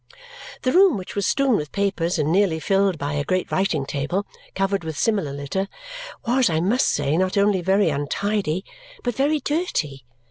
The room, which was strewn with papers and nearly filled by a great writing table covered with similar litter, was, I must say, not only very untidy but very dirty.